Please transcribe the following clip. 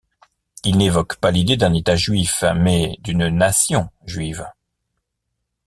Il n'évoque pas l'idée d'un État juif, mais d'une nation juive.